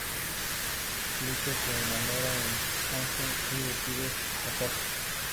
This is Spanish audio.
Luther se enamora de Hansel y deciden casarse.